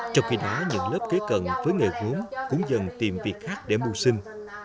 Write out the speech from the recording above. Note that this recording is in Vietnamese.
trong khi đó những lớp kế cận với nghề gốm cũng dần tìm việc khác để mưu sinh